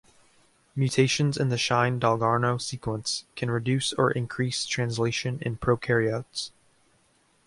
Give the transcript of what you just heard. Mutations in the Shine-Dalgarno sequence can reduce or increase translation in prokaryotes.